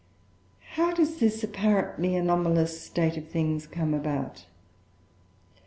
How does this apparently anomalous state of things come about?